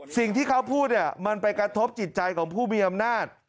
สิ่งที่เขาพูดเนี่ยมันไปกระทบจิตใจของผู้มีอำนาจ